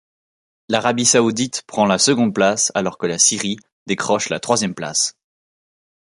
L'Arabie saoudite prend la seconde place alors que la Syrie décroche la troisième place.